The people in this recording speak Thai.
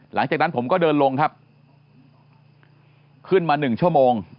หลังจากนั้นผมก็เดินลงครับขึ้นมาหนึ่งชั่วโมง